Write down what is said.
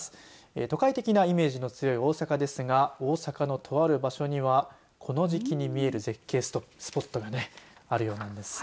都会的なイメージの強い大阪ですが大阪のとある場所にはこの時期に見える絶景スポットがねあるようなんです。